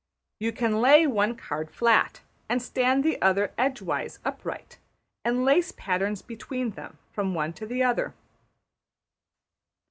You can lay one card flat and stand the other edgeways upright, and lace patterns between them from one to the other.